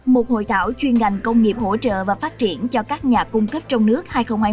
một hội thảo chuyên ngành công nghiệp hỗ trợ và phát triển cho các nhà cung cấp trong nước hai nghìn hai mươi